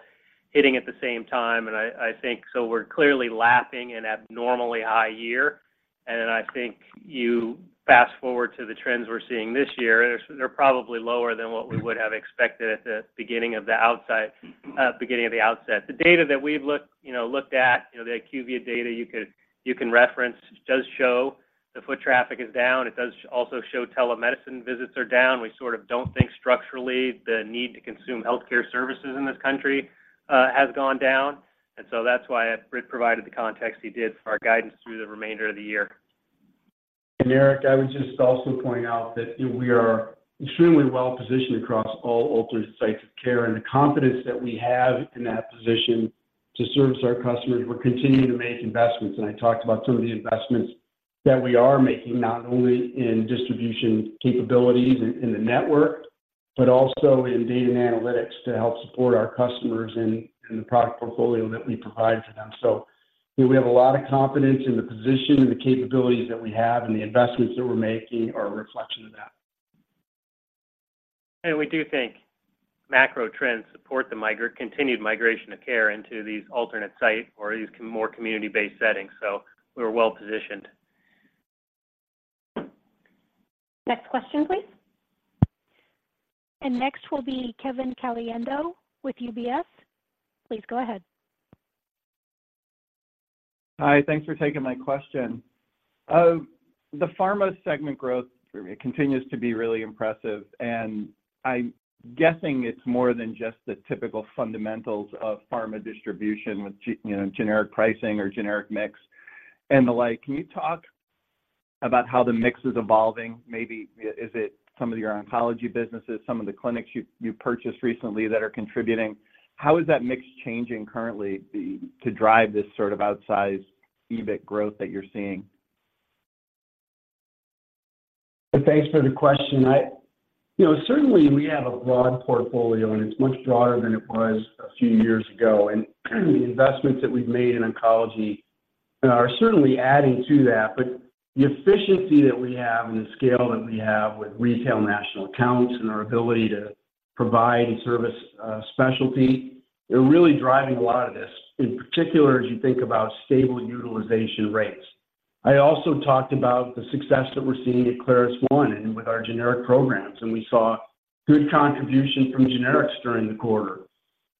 hitting at the same time, and I think so we're clearly lapping an abnormally high year. And then I think you fast forward to the trends we're seeing this year, they're probably lower than what we would have expected at the beginning of the outside, beginning of the outset. The data that we've looked at, you know, the IQVIA data you can reference, does show the foot traffic is down. It does also show telemedicine visits are down. We sort of don't think structurally, the need to consume healthcare services in this country has gone down. And so that's why Britt provided the context he did for our guidance through the remainder of the year. Eric, I would just also point out that, you know, we are extremely well positioned across all alternate sites of care, and the confidence that we have in that position to service our customers, we're continuing to make investments. I talked about some of the investments that we are making, not only in distribution capabilities in the network, but also in data and analytics to help support our customers and the product portfolio that we provide to them. We have a lot of confidence in the position and the capabilities that we have, and the investments that we're making are a reflection of that. We do think macro trends support the continued migration of care into these alternate site or these more community-based settings, so we're well positioned. Next question, please. Next will be Kevin Caliendo with UBS. Please go ahead. Hi, thanks for taking my question. The pharma segment growth continues to be really impressive, and I'm guessing it's more than just the typical fundamentals of pharma distribution with, you know, generic pricing or generic mix and the like. Can you talk about how the mix is evolving? Maybe is it some of your oncology businesses, some of the clinics you purchased recently that are contributing? How is that mix changing currently to drive this sort of outsized EBIT growth that you're seeing? Thanks for the question. You know, certainly, we have a broad portfolio, and it's much broader than it was a few years ago. And the investments that we've made in oncology are certainly adding to that. But the efficiency that we have and the scale that we have with retail national accounts and our ability to provide and service specialty, they're really driving a lot of this, in particular, as you think about stable utilization rates. I also talked about the success that we're seeing at ClarisOne and with our generic programs, and we saw good contribution from generics during the quarter.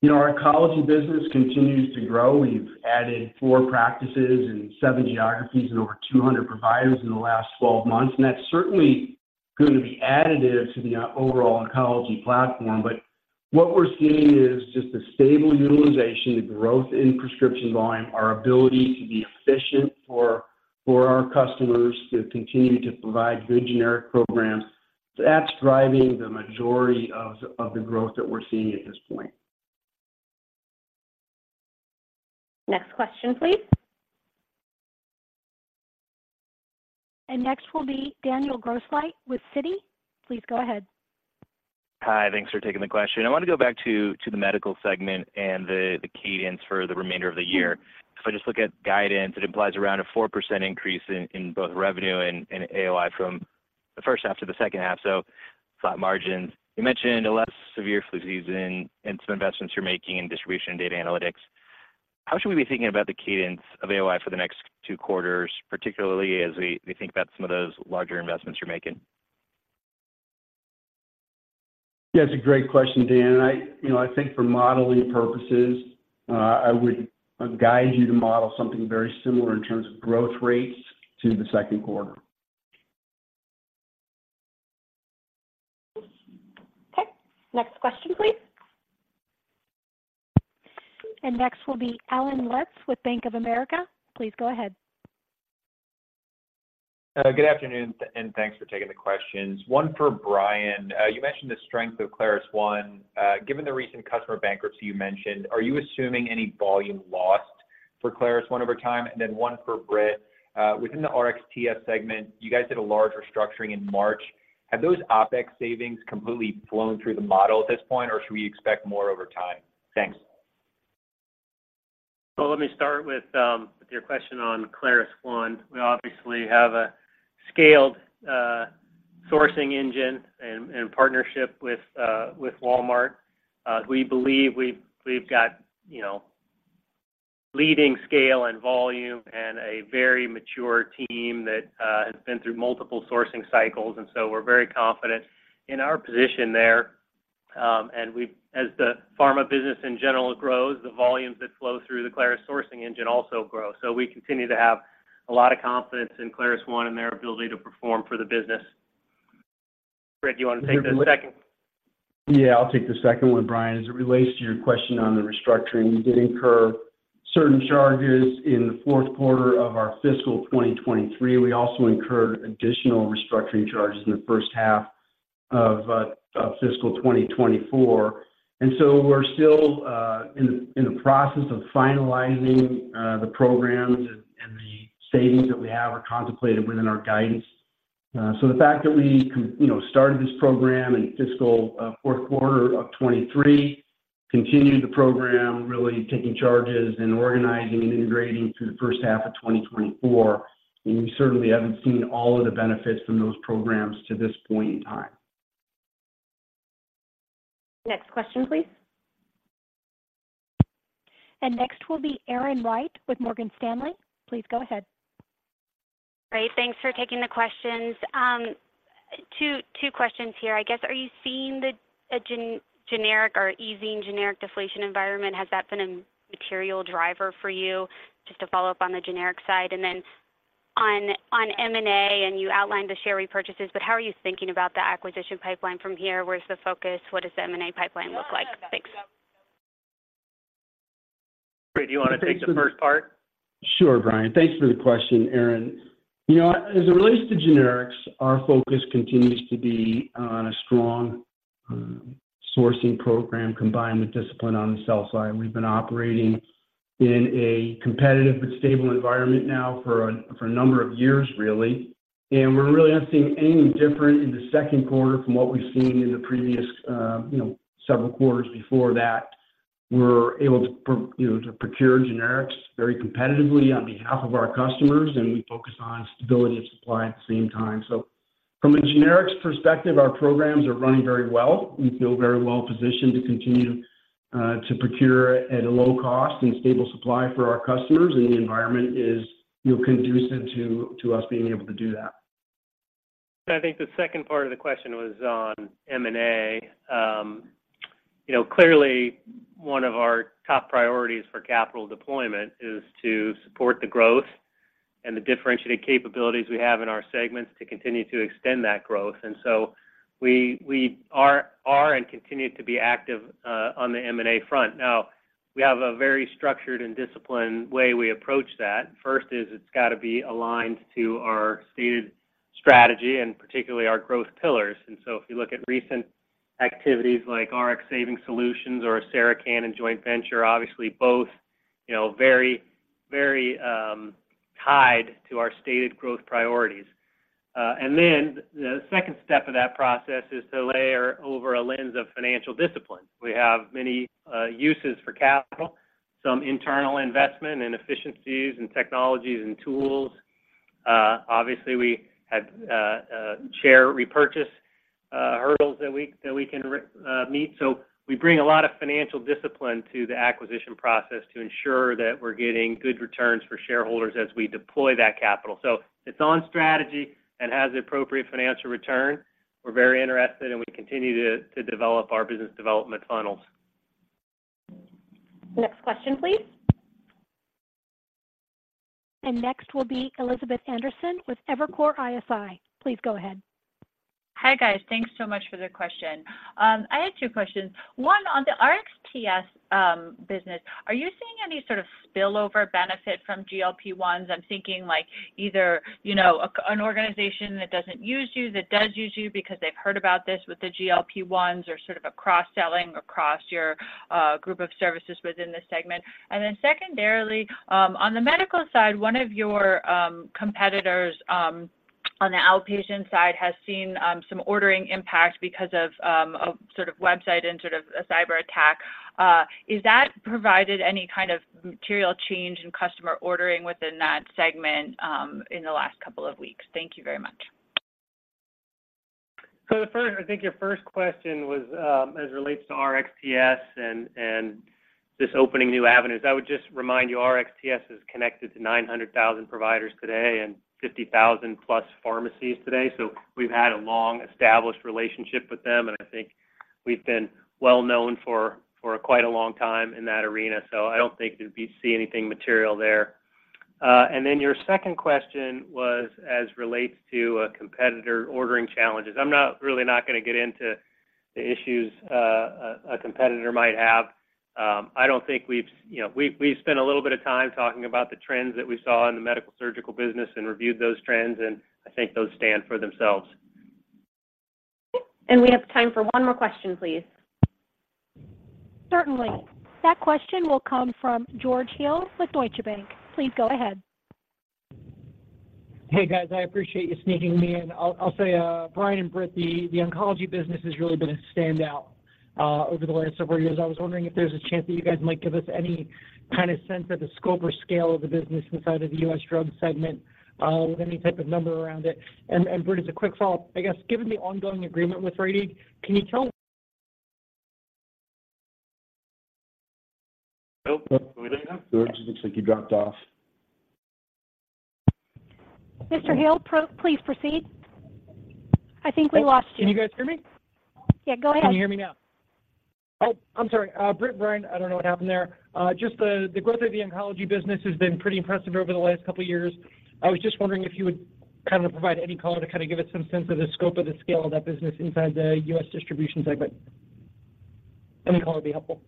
You know, our oncology business continues to grow. We've added four practices and seven geographies and over 200 providers in the last 12 months, and that's certainly going to be additive to the overall oncology platform. But what we're seeing is just a stable utilization, the growth in prescription volume, our ability to be efficient for our customers, to continue to provide good generic programs. So that's driving the majority of the growth that we're seeing at this point. Next question, please. Next will be Daniel Grosslight with Citi. Please go ahead. Hi, thanks for taking the question. I want to go back to the medical segment and the cadence for the remainder of the year. If I just look at guidance, it implies around a 4% increase in both revenue and AOI from the first half to the second half, so flat margins. You mentioned a less severe flu season and some investments you're making in distribution and data analytics. How should we be thinking about the cadence of AOI for the next two quarters, particularly as we think about some of those larger investments you're making? Yeah, it's a great question, Dan. You know, I think for modeling purposes, I would guide you to model something very similar in terms of growth rates to the second quarter. Okay, next question, please. Next will be Allen Lutz with Bank of America. Please go ahead. Good afternoon, and thanks for taking the questions. One for Brian. You mentioned the strength of ClarisOne. Given the recent customer bankruptcy you mentioned, are you assuming any volume lost for ClarisOne over time? And then one for Britt. Within the RXTS segment, you guys did a large restructuring in March. Have those OpEx savings completely flown through the model at this point, or should we expect more over time? Thanks. Well, let me start with your question on ClarisOne. We obviously have a scaled sourcing engine and partnership with Walmart. We believe we've got, you know, leading scale and volume and a very mature team that has been through multiple sourcing cycles, and so we're very confident in our position there. As the pharma business in general grows, the volumes that flow through the Claris sourcing engine also grow. So we continue to have a lot of confidence in ClarisOne and their ability to perform for the business. Britt, do you want to take the second? Yeah, I'll take the second one, Brian. As it relates to your question on the restructuring, we did incur certain charges in the fourth quarter of our fiscal 2023. We also incurred additional restructuring charges in the first half of fiscal 2024. And so we're still in the process of finalizing the programs, and the savings that we have are contemplated within our guidance. So the fact that we you know, started this program in fiscal fourth quarter of 2023, continued the program, really taking charges and organizing and integrating through the first half of 2024, and we certainly haven't seen all of the benefits from those programs to this point in time. Next question, please. Next will be Erin Wright with Morgan Stanley. Please go ahead. Great. Thanks for taking the questions. Two questions here. I guess, are you seeing a generic or easing generic deflation environment? Has that been a material driver for you? Just to follow up on the generic side. And then on M&A, and you outlined the share repurchases, but how are you thinking about the acquisition pipeline from here? Where's the focus? What does the M&A pipeline look like? Thanks. Britt, do you want to take the first part? Sure, Brian. Thanks for the question, Erin. You know, as it relates to generics, our focus continues to be on a strong sourcing program, combined with discipline on the sell side. We've been operating in a competitive but stable environment now for a number of years, really. We really aren't seeing any different in the second quarter from what we've seen in the previous, you know, several quarters before that. We're able to, you know, to procure generics very competitively on behalf of our customers, and we focus on stability of supply at the same time. So from a generics perspective, our programs are running very well. We feel very well positioned to continue to procure at a low cost and stable supply for our customers, and the environment is, you know, conducive to us being able to do that. I think the second part of the question was on M&A. You know, clearly, one of our top priorities for capital deployment is to support the growth and the differentiated capabilities we have in our segments to continue to extend that growth, and so we, we are, are and continue to be active on the M&A front. Now, we have a very structured and disciplined way we approach that. First is, it's got to be aligned to our stated strategy, and particularly our growth pillars. And so if you look at recent activities like Rx Savings Solutions or Sarah Cannon joint venture, obviously both, you know, very, very tied to our stated growth priorities. And then the second step of that process is to layer over a lens of financial discipline. We have many uses for capital, some internal investment in efficiencies and technologies and tools. Obviously, we have share repurchase hurdles that we can meet. So we bring a lot of financial discipline to the acquisition process to ensure that we're getting good returns for shareholders as we deploy that capital. So it's on strategy and has the appropriate financial return. We're very interested, and we continue to develop our business development funnels. Next question, please. Next will be Elizabeth Anderson with Evercore ISI. Please go ahead. Hi, guys. Thanks so much for the question. I had two questions. One, on the RXTS business, are you seeing any sort of spillover benefit from GLP-1s? I'm thinking, like, either, you know, an organization that doesn't use you, that does use you because they've heard about this with the GLP-1s, or sort of a cross-selling across your group of services within this segment. And then secondarily, on the medical side, one of your competitors on the outpatient side has seen some ordering impact because of a sort of website and sort of a cyberattack. Has that provided any kind of material change in customer ordering within that segment in the last couple of weeks? Thank you very much. So the first, I think your first question was, as it relates to RXTS and just opening new avenues. I would just remind you, RXTS is connected to 900,000 providers today and 50,000 plus pharmacies today. So we've had a long-established relationship with them, and I think we've been well known for quite a long time in that arena. So I don't think that we'd see anything material there. And then your second question was as it relates to a competitor ordering challenges. I'm not really not gonna get into the issues a competitor might have. I don't think we've— You know, we've spent a little bit of time talking about the trends that we saw in the medical surgical business and reviewed those trends, and I think those stand for themselves. We have time for one more question, please. Certainly. That question will come from George Hill with Deutsche Bank. Please go ahead. Hey, guys. I appreciate you sneaking me in. I'll say, Brian and Britt, the oncology business has really been a standout over the last several years. I was wondering if there's a chance that you guys might give us any kind of sense of the scope or scale of the business inside of the U.S. drug segment with any type of number around it? And, Britt, as a quick follow-up, I guess, given the ongoing agreement with Rite Aid, can you tell- Nope, we didn't have. George, it looks like you dropped off. Mr. Hill, please proceed. I think we lost you. Can you guys hear me? Yeah, go ahead. Can you hear me now? Oh, I'm sorry. Britt, Brian, I don't know what happened there. Just the growth of the oncology business has been pretty impressive over the last couple of years. I was just wondering if you would kind of provide any color to kind of give us some sense of the scope of the scale of that business inside the U.S. distribution segment. Any color would be helpful.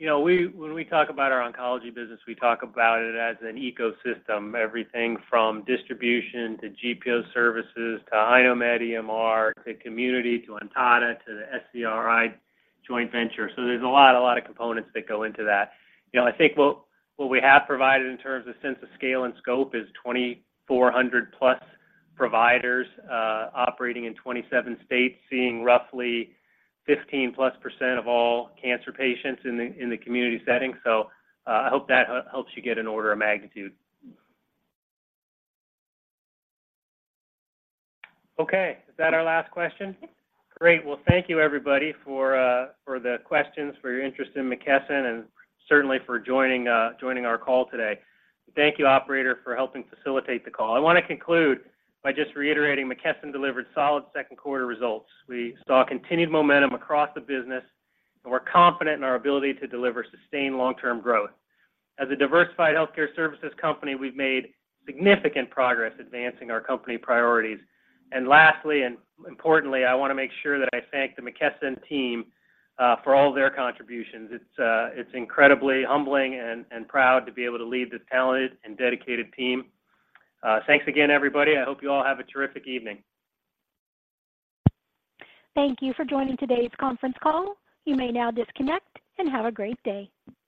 You know, we, when we talk about our oncology business, we talk about it as an ecosystem. Everything from distribution to GPO services, to iKnowMed EMR, to community, to Ontada, to the SCRI joint venture. So there's a lot, a lot of components that go into that. You know, I think what, what we have provided in terms of sense of scale and scope is 2,400+ providers operating in 27 states, seeing roughly 15%+ of all cancer patients in the community setting. So, I hope that helps you get an order of magnitude. Okay, is that our last question? Yes. Great. Well, thank you everybody for the questions, for your interest in McKesson, and certainly for joining our call today. Thank you, operator, for helping facilitate the call. I want to conclude by just reiterating McKesson delivered solid second quarter results. We saw continued momentum across the business, and we're confident in our ability to deliver sustained long-term growth. As a diversified healthcare services company, we've made significant progress advancing our company priorities. And lastly, and importantly, I want to make sure that I thank the McKesson team for all their contributions. It's incredibly humbling and proud to be able to lead this talented and dedicated team. Thanks again, everybody. I hope you all have a terrific evening. Thank you for joining today's conference call. You may now disconnect and have a great day.